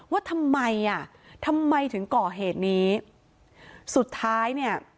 ว่าทำไมอ่ะทำไมถึงก่อเหตุนี้สุดท้ายเนี่ย